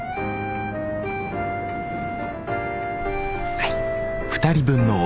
はい。